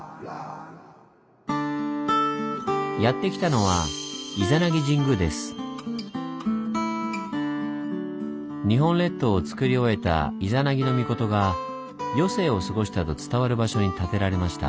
やって来たのは日本列島をつくり終えた伊弉諾尊が余生を過ごしたと伝わる場所に建てられました。